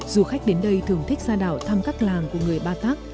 du khách đến đây thường thích ra đảo thăm các làng của người ba tác